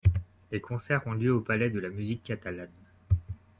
Les concerts ont lieu au Palais de la musique catalane.